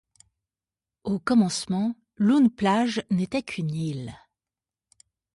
Au commencement, Loon-Plage n'était qu'une île.